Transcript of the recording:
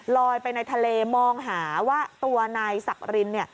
ลอยไปในทะเลมองหาว่าตัวนายสักรินเนี่ย